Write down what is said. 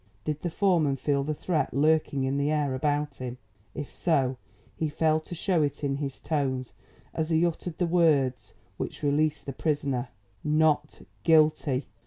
Did the foreman feel the threat lurking in the air about him? If so, he failed to show it in his tones as he uttered the words which released the prisoner: "NOT GUILTY."